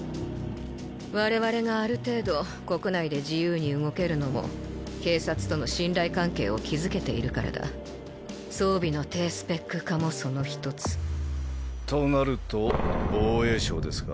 我々がある程度国内で自由に動けるのも警察との信頼関係を築けているからだ装備の低スペック化もその一つとなると防衛省ですか？